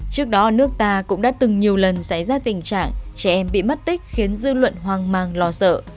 trước đó nước ta cũng đã từng nhiều lần xảy ra tình trạng trẻ em bị mất tích khiến dư luận hoang mang lo sợ